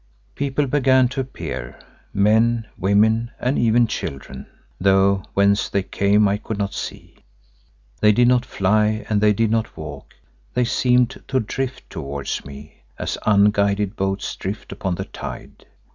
People began to appear; men, women, and even children, though whence they came I could not see. They did not fly and they did not walk; they seemed to drift towards me, as unguided boats drift upon the tide.